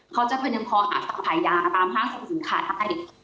เขาจะพันยมพอหาภัยยาตามห้างของสินค้าไทย